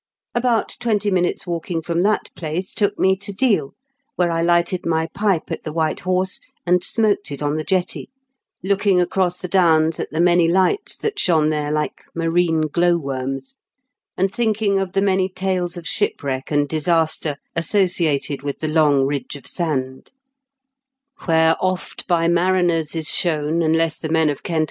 About twenty minutes' walking from that place took me to Deal, where I lighted my pipe at The White Horse and smoked it on the jetty, looking across the Downs at the many lights that shone there like marine glow worms, and thinking of the many tales of shipwreck and disaster associated with the long ridge of sand — Where oft by mariners is shown (Unless the men of Kent are liars).